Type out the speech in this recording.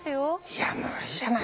いや無理じゃないかな。